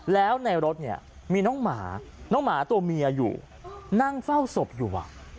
แล้วในรถเนี่ยมีน้องหมาน้องหมาตัวเมียอยู่นั่งเฝ้าศพอยู่